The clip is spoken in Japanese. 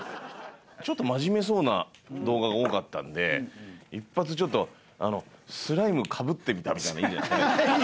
ちょっと真面目そうな動画が多かったんで一発ちょっとスライムかぶってみたみたいないいんじゃないですか。